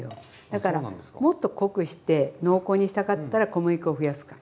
だからもっと濃くして濃厚にしたかったら小麦粉を増やすか。